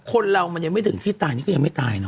คนเรามันยังไม่ถึงที่ตายนี่ก็ยังไม่ตายนะ